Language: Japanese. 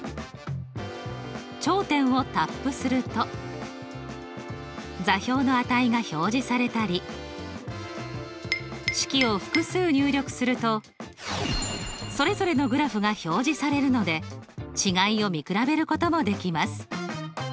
頂点をタップすると座標の値が表示されたり式を複数入力するとそれぞれのグラフが表示されるので違いを見比べることもできます。